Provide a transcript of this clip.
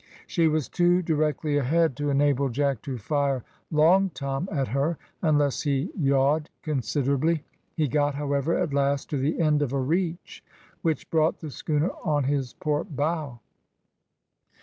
She was too directly ahead to enable Jack to fire "Long Tom" at her, unless he yawed considerably. He got, however, at last to the end of a reach, which brought the schooner on his port bow.